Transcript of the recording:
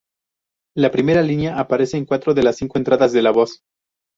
La primera línea aparece en cuatro de las cinco entradas de la voz.